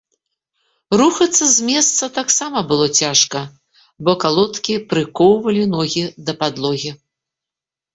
Рухацца з месца таксама было цяжка, бо калодкі прыкоўвалі ногі да падлогі.